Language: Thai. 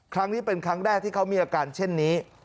ครั้งนี้เป็นครั้งแรกที่เขามีอาการเช่นนี้